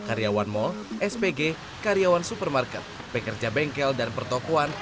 karyawan mall spg karyawan supermarket pekerja bengkel dan pertokohan